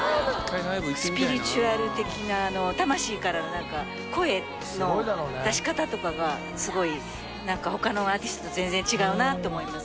スピリチュアル的な魂からの声の出し方とかがすごいなんか他のアーティストと全然違うなって思います。